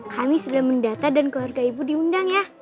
kami sudah mendata dan keluarga ibu diundang ya